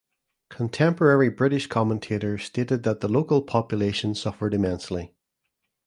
Contemporary British commentators stated that the local population suffered immensely.